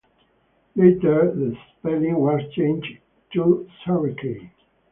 Later the spelling was changed to Sarikei.